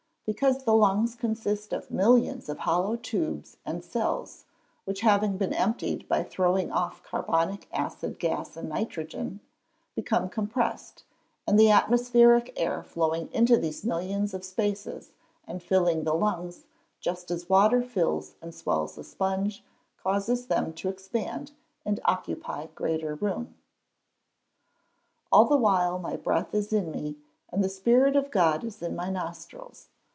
_ Because the lungs consist of millions of hollow tubes, and cells, which, having been emptied by throwing off carbonic acid gas and nitrogen, become compressed, and the atmospheric air flowing into these millions of spaces, and filling the lungs, just as water fills and swells a sponge, causes them to expand, and occupy greater room. [Verse: "All the while my breath is in me, and the spirit of God is in my nostrils.